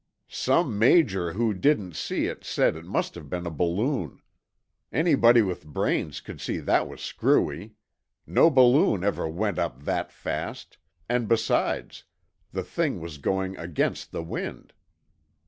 "Some major who didn't see it said it must have been a balloon. Anybody with brains could see that was screwy. No balloon ever went up that fast—and besides, the thing was going against the wind."